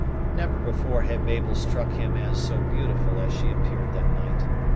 Never before had Mabel struck him as so beautiful as she appeared that night.